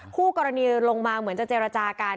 คู่กรณีลงมาเหมือนจะเจรจากัน